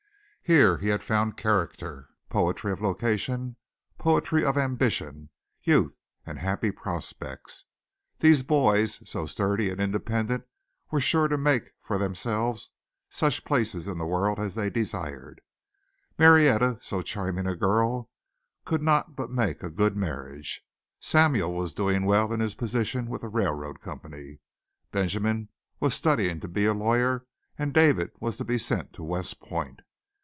Here he had found character, poetry of location, poetry of ambition, youth and happy prospects. These boys, so sturdy and independent, were sure to make for themselves such places in the world as they desired. Marietta, so charming a girl, could not but make a good marriage. Samuel was doing well in his position with the railroad company; Benjamin was studying to be a lawyer and David was to be sent to West Point.